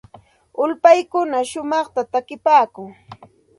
Ulpaykuna shumaqta takipaakun.